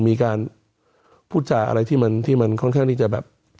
มีการพูดจาอะไรที่มันค่อนข้างที่จะแบบ